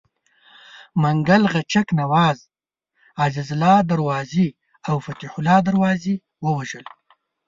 منګل غچک نواز، عزیزالله دروازي او فتح الله دروازي ووژل.